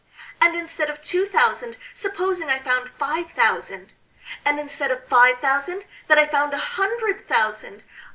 And instead of two thousand supposing I found five thousand? and instead of five thousand that I found a hundred thousand?